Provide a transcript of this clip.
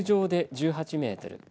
１８メートル